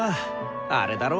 あれだろ？